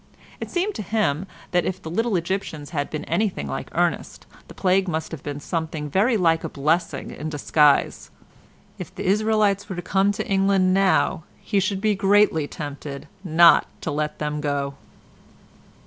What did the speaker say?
It seemed to him that if the little Egyptians had been anything like Ernest, the plague must have been something very like a blessing in disguise. If the Israelites were to come to England now he should be greatly tempted not to let them go.